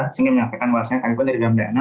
sehingga menyampaikan wawasannya kami pun dari bam dna